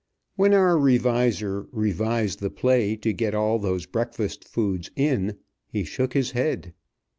When our reviser revised the play to get all those breakfast foods in, he shook his head.